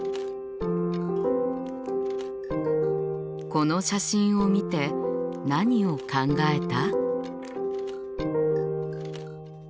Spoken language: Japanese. この写真を見て何を考えた？